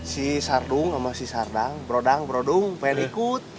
si sardung sama si sardang brodang brodung pengen ikut